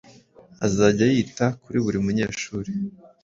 Azajya yita kuri buri munyeshuri,